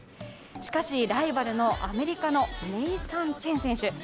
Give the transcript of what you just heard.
しかしライバルのアメリカのネイサン・チェン選手。